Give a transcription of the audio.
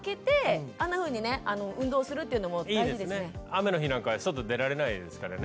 雨の日なんかは外出られないですからね。